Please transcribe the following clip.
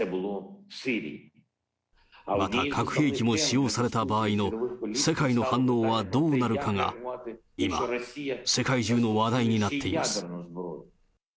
また核兵器も使用された場合の世界の反応はどうなるかが、今、世界中の話題になっています。